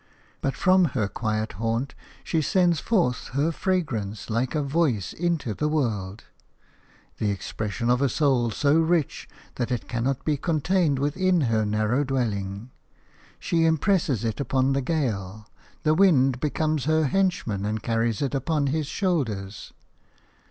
But from her quiet haunt she sends forth her fragrance like a voice into the world – the expression of a soul so rich that it cannot be contained within her narrow dwelling. She impresses it upon the gale; the wind becomes her henchman and carries it upon his shoulders.